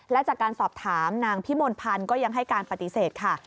และจากการสอบถามนางพิมลพันธ์ก็ยังให้การปฏิเสธค่ะ